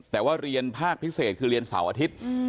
แต่ว่าเรียนภาคพิเศษคือเรียนเสาร์อาทิตย์